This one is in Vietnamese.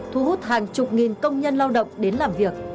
thu hút hàng chục nghìn công nhân lao động đến làm việc